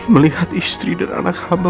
melihat istri dan anak hamba